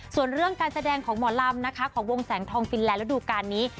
ส่วนเรื่องการแสดงของหมอลำนะคะของวงแสงทองฟินแลนดฤดูการนี้